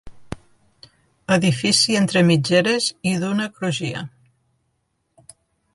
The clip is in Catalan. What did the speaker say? Edifici entre mitgeres i d'una crugia.